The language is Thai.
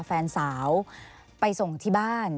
แฟนสาวไปส่งที่บ้าน